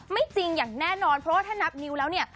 จริงอย่างแน่นอนเพราะว่าถ้านับนิ้วแล้วเนี่ย